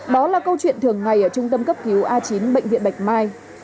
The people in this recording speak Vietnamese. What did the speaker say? đó là câu chuyện thường ngày ở trung tâm cấp cứu a chín bệnh viện bạch mai